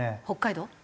北海道？